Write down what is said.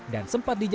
dan sempat dijual